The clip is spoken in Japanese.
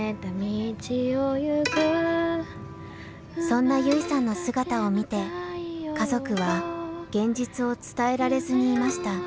そんな優生さんの姿を見て家族は現実を伝えられずにいました。